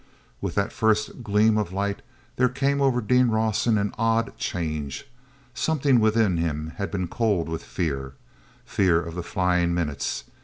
With that first gleam of light there came over Dean Rawson an odd change. Something within him had been cold with fear. Fear of the flying minutes.